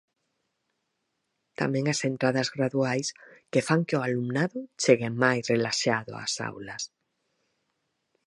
Tamén as entradas graduais que fan que o alumnado chegue máis relaxado ás aulas.